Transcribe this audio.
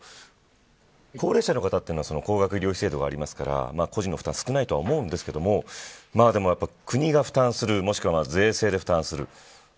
高齢者の方は高額医療制度がありますから個人の負担が少ないと思いますが国が負担するもしくは税制で負担する。